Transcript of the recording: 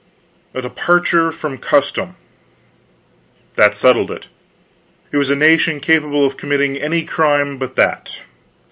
A departure from custom that settled it; it was a nation capable of committing any crime but that.